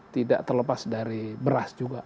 tidak terlepas dari beras juga